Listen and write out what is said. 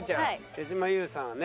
手島優さんはね。